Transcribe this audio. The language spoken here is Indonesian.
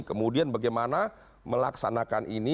kemudian bagaimana melaksanakan ini